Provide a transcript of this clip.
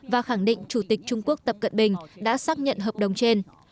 và khẳng định chủ tịch trung quốc tập cận bình đã xác nhận hợp đồng trên